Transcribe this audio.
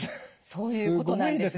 そういうことなんです。